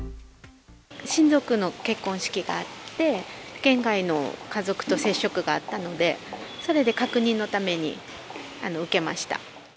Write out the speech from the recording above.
親族の結婚式があって、県外の家族と接触があったので、それで確認のために受けました。